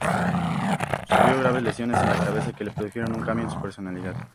Sufrió graves lesiones en la cabeza que le produjeron un cambio en su personalidad.